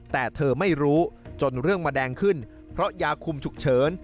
แต่เธอไม่รู้จนเรื่องมาแดงขึ้นเพราะยาคุมฉุกเฉิน